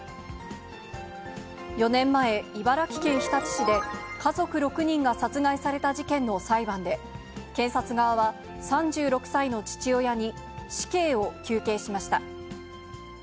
４年前、茨城県日立市で家族６人が殺害された事件の裁判で、検察側は、３６歳の父親に死刑を求刑しました。